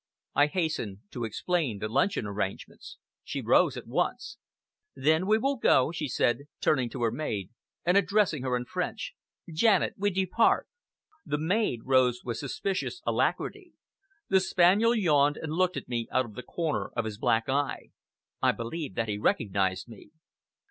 I hastened to explain the luncheon arrangements. She rose at once. "Then we will go," she said, turning to her maid and addressing her in French. "Janette, we depart!" The maid rose with suspicious alacrity. The spaniel yawned and looked at me out of the corner of his black eye. I believe that he recognized me.